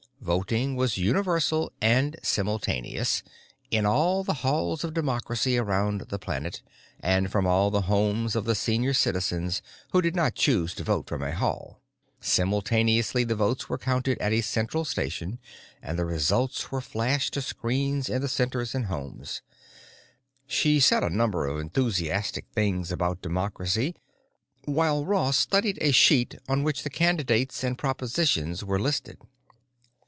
Voting was universal and simultaneous, in all the Halls of Democracy around the planet and from all the homes of the Senior Citizens who did not choose to vote from a Hall. Simultaneously the votes were counted at a central station and the results were flashed to screens in the Centers and homes. She said a number of enthusiastic things about Democracy while Ross studied a sheet on which the candidates and propositions were listed.